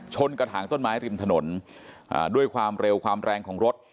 กระถางต้นไม้ริมถนนด้วยความเร็วความแรงของรถ